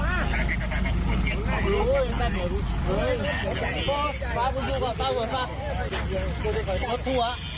คุณผู้ชายขอแบบว่าทั่วหน่อยค่ะ